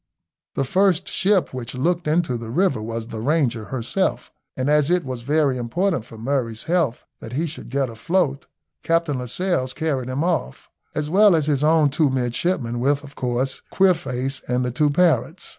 The first ship which looked into the river was the Ranger herself, and as it was very important for Murray's health that he should get afloat, Captain Lascelles carried him off, as well as his own two midshipmen, with, of course, Queerface and the two parrots.